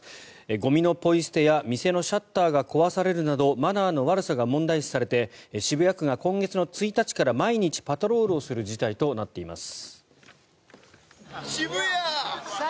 ゴミのポイ捨てや店のシャッターが壊されるなどマナーの悪さが問題視されて渋谷区が今月の１日から毎日パトロールする事態となっています。